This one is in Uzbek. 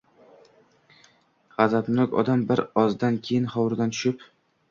G‘azabnok odam bir ozdan keyin hovuridan tushib